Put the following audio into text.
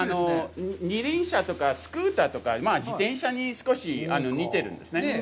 二輪車とか、スクーターとか、自転車に少し似ているんですね。